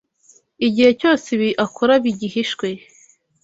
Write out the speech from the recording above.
igihe cyose ibibi akora bigihishwe